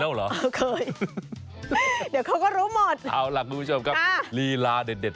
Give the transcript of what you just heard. เดี๋ยวเขาก็รู้หมดเอาล่ะคุณผู้ชมครับลีลาเด็ด